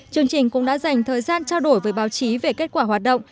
chương trình cũng đã dành thời gian trao đổi với báo chí về kết quả hoạt động